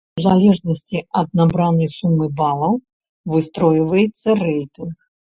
У залежнасці ад набранай сумы балаў, выстройваецца рэйтынг.